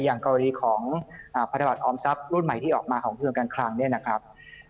อย่างกรณีของพันธบัตรออมทรัพย์รุ่นใหม่ที่ออกมาของเครื่องการคลังเนี่ยนะครับ